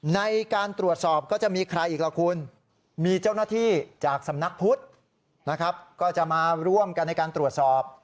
ในการตรวจสอบก็จะมีใครอีกล่ะคุณมีเจ้าหน้าที่จากสำนักพุทธนะครับก็จะมาร่วมกันในการตรวจสอบ